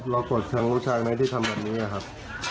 เรากดเครื่องลูกชายไหมที่ทำแบบนี้ครับ